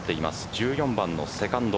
１４番のセカンド。